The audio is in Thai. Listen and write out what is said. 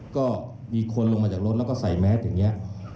ก็มีคนลงมาจากรถแล้วก็ใส่แมสอย่างนี้